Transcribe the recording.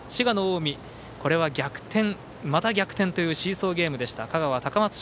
滋賀の近江、これは逆転また逆転というシーソーゲームでした。